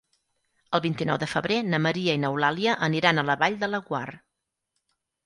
El vint-i-nou de febrer na Maria i n'Eulàlia aniran a la Vall de Laguar.